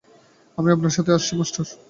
আমিও আপনার সাথে আসছি, মাস্টার।